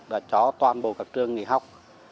đã cho toàn bộ các trường nghỉ học